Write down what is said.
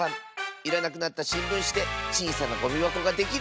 いらなくなったしんぶんしでちいさなゴミばこができる！